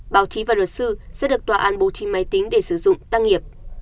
báo chí và luật sư sẽ được tòa án bố trí máy tính để sử dụng tăng nghiệp